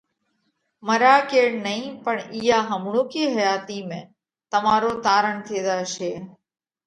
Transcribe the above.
مريا ڪيڙ نئين پڻ اِيئا همڻُوڪِي حياتِي ۾، تمارو تارڻ ٿي زاشي۔